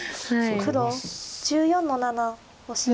黒１４の七オシ。